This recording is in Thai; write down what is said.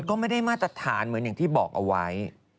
ก็ไม่ได้มาตรฐานเหมือนอย่างที่บอกเอาไว้